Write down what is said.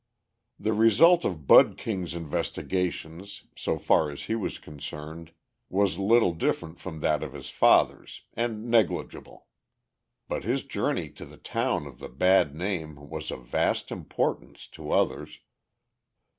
The result of Bud King's investigations, so far as he was concerned, was little different from that of his father's and negligible. But his journey to the town of the bad name was of vast importance to others.